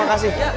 makasih ya bang